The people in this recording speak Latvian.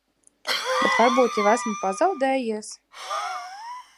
Bet varbūt jau esmu pazaudējies?